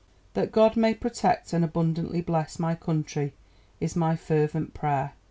That God may protect and abundantly bless my country is my fervent prayer."